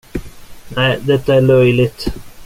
Nej, detta är löjligt.